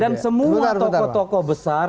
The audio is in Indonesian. dan semua tokoh tokoh besar